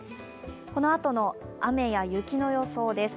このあとの雨や雪の予想です。